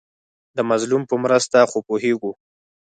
د مظلوم په مرسته خو پوهېږو.